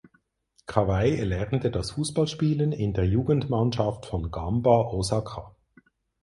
Kawai erlernte das Fußballspielen in der Jugendmannschaft von Gamba Osaka.